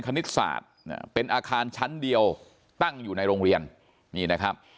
คณิตศาสตร์เป็นอาคารชั้นเดียวตั้งอยู่ในโรงเรียนนี่นะครับ